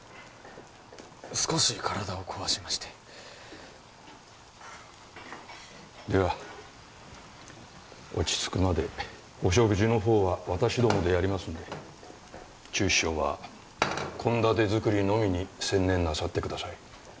少し体を壊しましてでは落ち着くまでお食事のほうは私どもでやりますんで厨司長は献立作りのみに専念なさってください